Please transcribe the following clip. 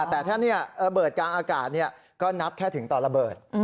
แต่ถ้าระเบิดกลางอากาศก็นับแค่ถึงตอนระเบิด